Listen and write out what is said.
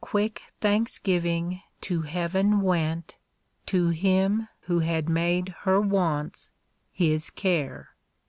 45 And her (jiiick thanksgiving to heaven went, To Him who had made her wants His care.